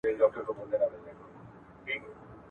هغه په خپل هېواد کې د تنباکو څکول په بشپړ ډول منع کړل.